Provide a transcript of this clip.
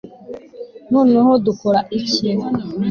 noneho dukora iki